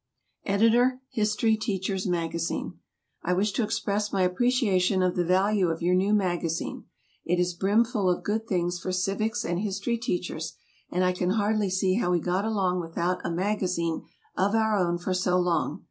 Editor HISTORY TEACHER'S MAGAZINE. I wish to express my appreciation of the value of your new magazine. It is brimful of good things for Civics and History teachers, and I can hardly see how we got along without a magazine of our own for so long.